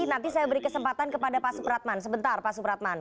nanti saya beri kesempatan kepada pak supratman sebentar pak supratman